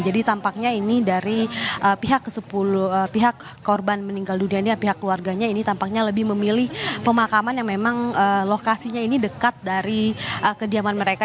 jadi tampaknya ini dari pihak korban meninggal dunia ini pihak keluarganya ini tampaknya lebih memilih pemakaman yang memang lokasinya ini dekat dari kediaman mereka